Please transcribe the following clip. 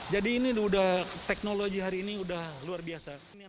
jadi ini teknologi hari ini sudah luar biasa